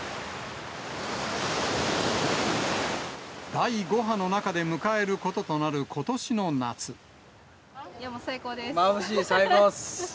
第５波の中で迎えることとなるこいやもう、最高です。